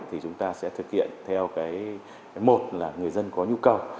thì chúng ta sẽ thực hiện theo một là người dân có nhu cầu